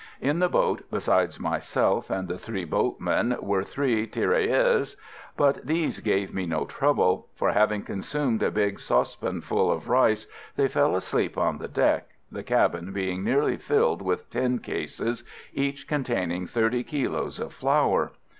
In the boat, besides myself and the three boatmen, were three tirailleurs, but these gave me no trouble, for, having consumed a big saucepanful of rice, they fell asleep on the deck, the cabin being nearly filled with tin cases, each containing thirty kilos of flour.